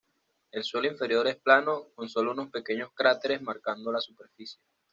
El suelo interior es plano, con sólo unos pequeños cráteres marcando la superficie.